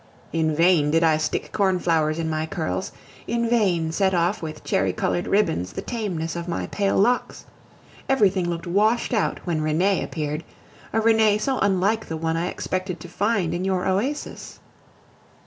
In vain did I stick cornflowers in my curls, in vain set off with cherry colored ribbons the tameness of my pale locks, everything looked washed out when Renee appeared a Renee so unlike the one I expected to find in your oasis.